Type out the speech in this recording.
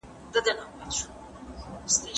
سپایان باید په خپلو پوستو کي وي.